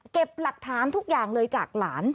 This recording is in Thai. หลักฐานทุกอย่างเลยจากหลาน